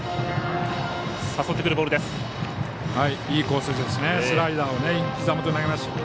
いいコースです。